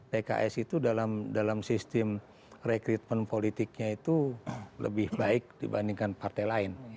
pks itu dalam sistem rekrutmen politiknya itu lebih baik dibandingkan partai lain